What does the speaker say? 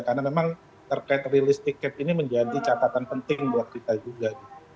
karena memang terkait rilis tiket ini menjadi catatan penting buat kita juga